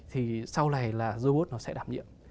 thì sau này là robot nó sẽ đảm nhiệm